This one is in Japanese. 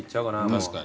確かに。